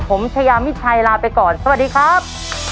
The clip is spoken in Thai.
ผมชายามิชัยลาไปก่อนสวัสดีครับ